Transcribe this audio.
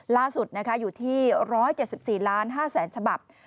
ล่าสุดอยู่ที่๑๗๔๕๐๐๐๐ฉบับ